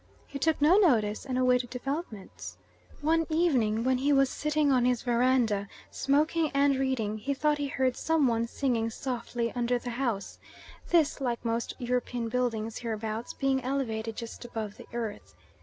He took no notice and awaited developments. One evening when he was sitting on his verandah, smoking and reading, he thought he heard some one singing softly under the house, this, like most European buildings hereabouts, being elevated just above the earth.